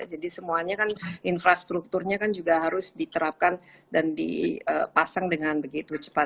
jadi semuanya kan infrastrukturnya kan juga harus diterapkan dan dipasang dengan begitu cepat